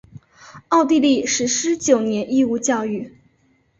奥地利实施九年义务教育。